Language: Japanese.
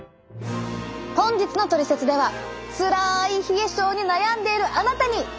本日のトリセツではつらい冷え症に悩んでいるあなたに！